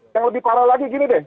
yang lebih parah lagi gini deh